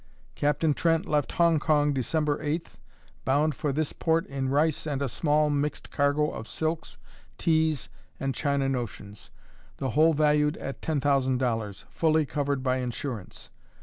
Captain Trent left Hong Kong December 8th, bound for this port in rice and a small mixed cargo of silks, teas, and China notions, the whole valued at $10,000, fully covered by insurance.